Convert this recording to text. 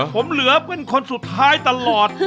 ผมเหลือเป็นคนสุดท้ายตลอด